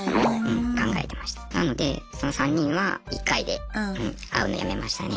なのでその３人は１回で会うのやめましたね。